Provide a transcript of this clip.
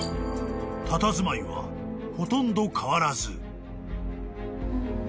［たたずまいはほとんど変わらず］